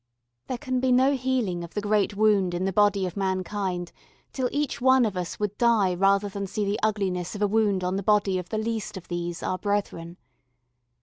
There can be no healing of the great wound in the body of mankind till each one of us would die rather than see the ugliness of a wound on the body of the least of these our brethren.